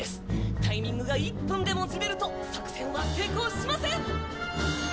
タイミングが１分でもずれると作戦は成功しません。